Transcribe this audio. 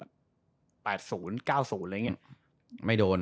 ๘๐๙๐อะไรอย่างนี้